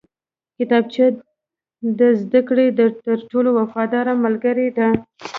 کتابچه د زده کړې تر ټولو وفاداره ملګرې ده